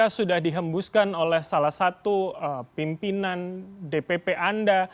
sudah dihembuskan oleh salah satu pimpinan dpp anda